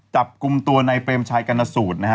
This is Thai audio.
จับกลุ่มตัวในเปรมชัยกรณสูตรนะฮะ